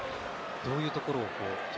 どういうところを？